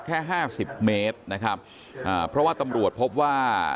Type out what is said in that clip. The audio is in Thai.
แค่๕๐เมตรนะครับเพราะว่าตำรวจพบว่า